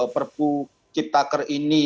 perbu cipta kerja ini